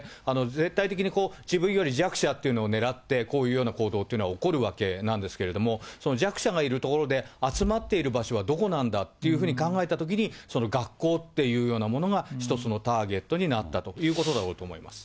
絶対的に自分より弱者っていうのを狙ってこういうような行動っていうのは起こるわけなんですけれども、その弱者がいる所で、集まっている場所はどこなんだっていうふうに考えたときに、学校っていうようなものが一つのターゲットになったということだろう